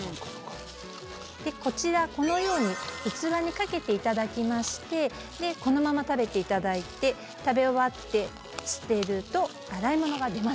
でこちらこのように器にかけて頂きましてでこのまま食べて頂いて食べ終わって捨てると洗い物が出ません。